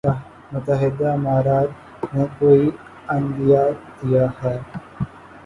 متحدہ امارات نے کوئی عندیہ دیا ہے۔